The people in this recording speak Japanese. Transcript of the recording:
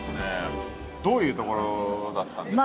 どういうところだったんですか？